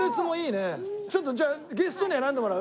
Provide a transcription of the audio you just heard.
ちょっとじゃあゲストに選んでもらう？